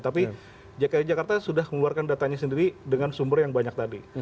tapi dki jakarta sudah mengeluarkan datanya sendiri dengan sumber yang banyak tadi